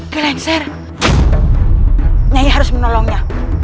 gelengser nyai harus menolongnya